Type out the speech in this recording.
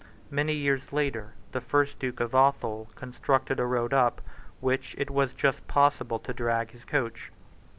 Many years later, the first Duke of Athol constructed a road up which it was just possible to drag his coach.